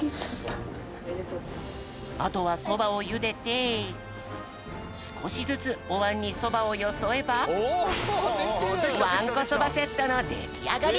あとはそばをゆでてすこしずつおわんにそばをよそえばわんこそばセットのできあがり！